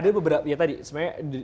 ada beberapa ya tadi sebenarnya